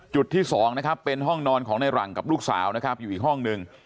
จุดที่สองนะครับเป็นห้องนอนของในหลังกับลูกสาวนะครับอยู่อีกห้องหนึ่ง